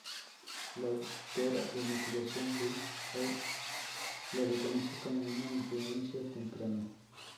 La autora de motivación Louise Hay la reconoce como una influencia temprana.